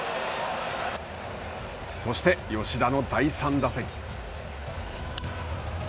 そして、吉田の第３打席。